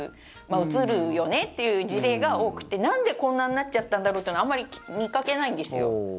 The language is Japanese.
うつるよねっていう事例が多くてなんでこんなになっちゃったんだろうというのはあんまり見かけないんですよ。